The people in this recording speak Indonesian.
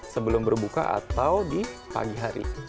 sebelum berbuka atau di pagi hari